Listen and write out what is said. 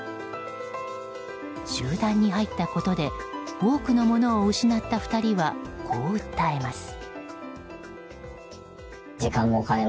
集団に入ったことで多くのものを失った２人はこう訴えます。